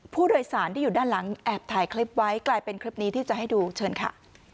ผู้โดยสารที่อยู่ด้านหลังแอบถ่ายคลิปไว้กลายเป็นคลิปนี้ที่จะให้ดูเชิญค่ะ